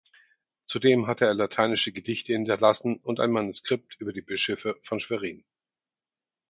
Zudem hatte er lateinische Gedichte hinterlassen und ein Manuskript über die Bischöfe von Schwerin.